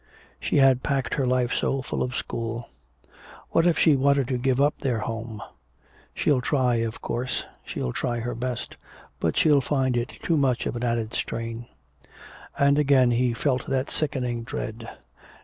She had packed her life so full of school. What if she wanted to give up their home? "She'll try, of course, she'll try her best but she'll find it too much of an added strain." And again he felt that sickening dread.